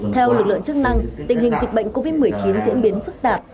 theo lực lượng chức năng tình hình dịch bệnh covid một mươi chín diễn biến phức tạp